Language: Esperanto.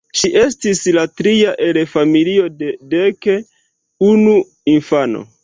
Ŝi estis la tria el familio de dek unu infanoj.